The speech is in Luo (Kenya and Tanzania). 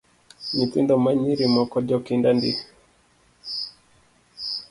Nyithindo manyiri moko jokinda ndi